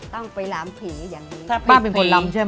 ต้องไปลำผีอย่างนี้